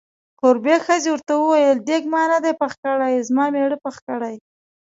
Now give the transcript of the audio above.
کوربې ښځې ورته وویل: دیګ ما نه دی پوخ کړی، زما میړه پوخ کړی.